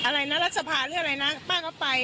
รักษภาหรืออะไรนะป้าก็ไป